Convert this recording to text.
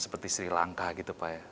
seperti sri lanka gitu pak ya